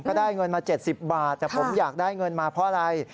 ก็ได้เงินมา๗๐บาทแต่ผมอยากได้เงินมาเพราะอะไร